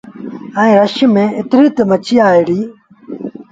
ائيٚݩٚ رڇ ميݩ ايتريݩ مڇيٚنٚ آئي وهُڙينٚ